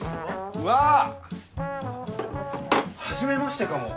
うわあ！はじめましてかも。